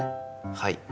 はい。